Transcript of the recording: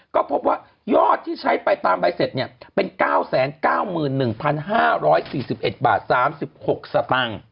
ก็พบว่ายอดที่ใช้ไปตามใบเสร็จเนี่ยเป็น๙๙๑๕๔๑๓๖บาท